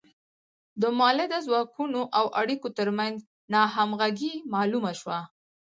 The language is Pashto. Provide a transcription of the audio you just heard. د مؤلده ځواکونو او اړیکو ترمنځ ناهمغږي معلومه شوه.